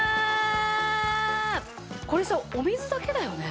これさお水だけだよね？